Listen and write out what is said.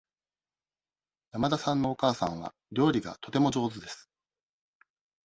山田さんのお母さんは料理がとても上手です。